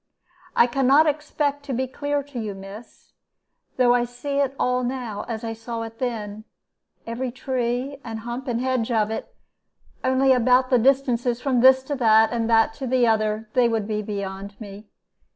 "I can not expect to be clear to you, miss, though I see it all now as I saw it then, every tree, and hump, and hedge of it; only about the distances from this to that, and that to the other, they would be beyond me.